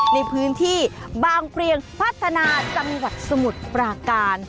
ในพื้นที่บางเปรียงพัฒนาจังหวัดสมุทรปราการ